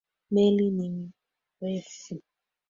Meli ni refu.